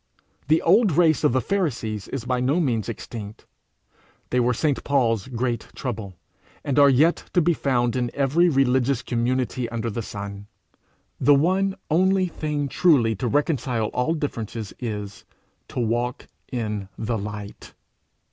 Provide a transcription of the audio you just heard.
The old race of the Pharisees is by no means extinct; they were St Paul's great trouble, and are yet to be found in every religious community under the sun. The one only thing truly to reconcile all differences is, to walk in the light.